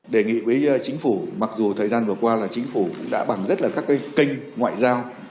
đề nghị với chính phủ mặc dù thời gian vừa qua là chính phủ đã bằng rất là các kênh ngoại giao